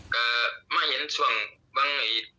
ก็ไม่เห็นช่วงบ้างไหน